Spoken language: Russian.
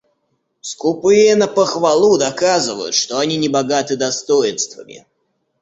Скупые на похвалу доказывают, что они небогаты достоинствами.